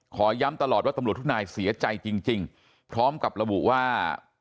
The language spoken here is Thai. ขอย้ำตลอดว่าตำรวจทุกนายเสียใจจริงพร้อมกับระบุว่า